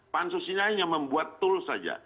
pansus ini hanya membuat tool saja